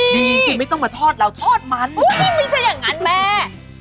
ดีสิไม่ต้องมาทอดเราทอดมันไม่ใช่อย่างนั้นแม่